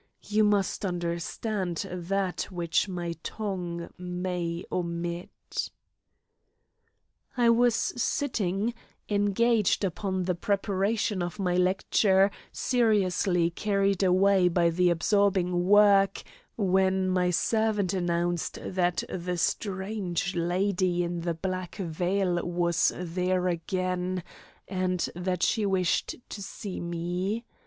You must understand that which my tongue may omit. I was sitting, engaged upon the preparation of my lecture, seriously carried away by the absorbing work, when my servant announced that the strange lady in the black veil was there again, and that she wished to see me.